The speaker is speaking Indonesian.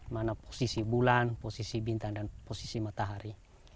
mana posisi bulan posisi bintang dan posisi matahari